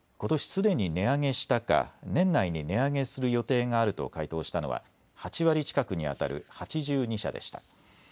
すでに値上げしたか、年内に値上げする予定があると回答したのは８割近くにあたる８２社でした。